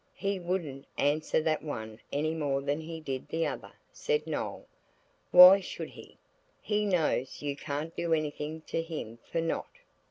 "He wouldn't answer that one any more than he did the other," said Noël. "Why should he? He knows you can't do anything to him for not."